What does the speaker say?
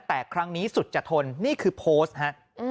แต่ครั้งนี้สุดจะทนนี่คือโพสต์ฮะ